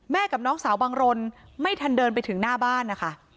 กับน้องสาวบังรนไม่ทันเดินไปถึงหน้าบ้านนะคะ